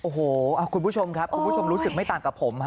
โอ้โหคุณผู้ชมครับคุณผู้ชมรู้สึกไม่ต่างกับผม